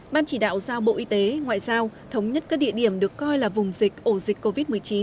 ban chỉ đạo giao bộ y tế ngoại giao thống nhất các địa điểm được coi là vùng dịch ổ dịch covid một mươi chín